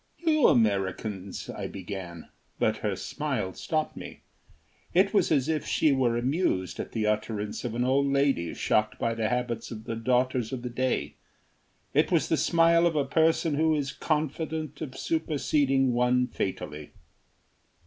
"You Americans," I began, but her smile stopped me. It was as if she were amused at the utterances of an old lady shocked by the habits of the daughters of the day. It was the smile of a person who is confident of superseding one fatally.